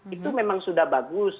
itu memang sudah bagus